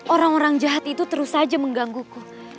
orang orang jahat itu terus saja menggangguku